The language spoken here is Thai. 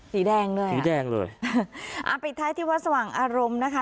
สีแดงเลยสีแดงเลยอ่าปิดท้ายที่วัดสว่างอารมณ์นะคะ